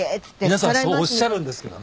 皆さんそうおっしゃるんですけどね